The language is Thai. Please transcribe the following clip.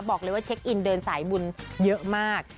บอกเลยว่าเช็คอินเดินสายบุญเยอะมาก